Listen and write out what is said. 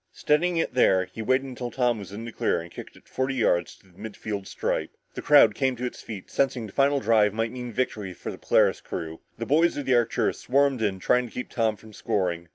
Steadying it there, he waited until Tom was in the clear and kicked it forty yards to the mid field stripe. The crowd came to its feet, sensing this final drive might mean victory for the Polaris crew. The boys of the Arcturus swarmed in trying to keep Tom from scoring.